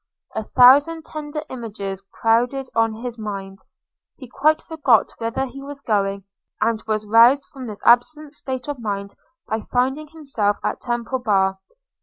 A thousand tender images crowded on his mind; he quite forgot whither he was going, and was roused from this absent state of mind only by finding himself at Temple Bar.